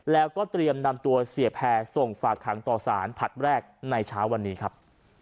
แล้วก็เตรียมนำตัวเสียแพร่ส่งฝากขังต่อสารผัดแรกในเช้าวันนี้ครับ